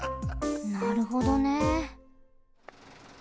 なるほどね。